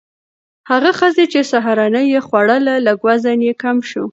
هغه ښځې چې سهارنۍ یې خوړله، لږ وزن یې کم شو.